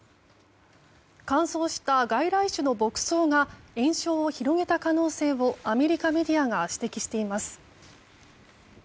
乾燥した外来種の牧草が延焼を広げた可能性をアメリカメディアが指摘しています。